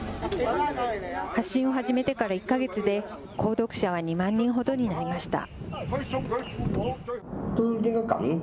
発信を始めてから１か月で、購読者は２万人ほどになりました。